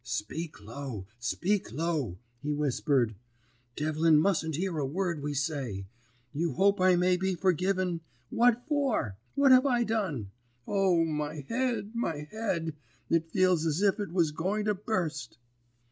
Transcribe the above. "'Speak low, speak low,' he whispered. 'Devlin mustn't hear a word we say. You hope I may be forgiven! For what? What have I done? O, my head, my head! It feels as if it was going to burst!'